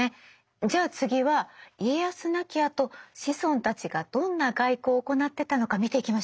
じゃあ次は家康亡きあと子孫たちがどんな外交を行ってたのか見ていきましょうか。